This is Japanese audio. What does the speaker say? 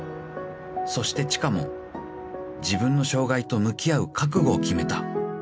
［そして知花も自分の障害と向き合う覚悟を決めた］